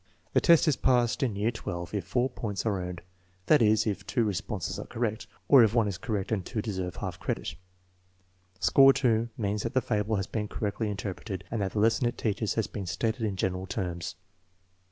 The test is passed in year XII if 4 points are earned; that is, if two TEST NO. XU, 5 293 responses are correct or if one is correct and two deserve half credit. Score 2 means that the fable has been correctly inter preted and that the lesson it teaches has been stated in general terms.